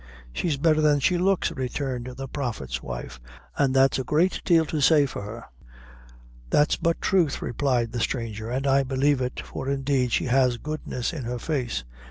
"She's better than she looks," returned the prophet's wife, "an' that's a great deal to say for her." "That's but truth," replied the stranger, "and I believe it; for indeed she has goodness in her face."